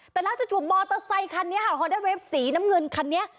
แต่นักจะจุดมอเตอร์ไซค์คันนี้ฮะฮอเดอร์เวฟสีน้ำเงินคันนี้